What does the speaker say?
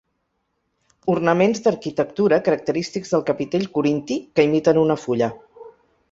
Ornaments d'arquitectura característics del capitell corinti que imiten una fulla.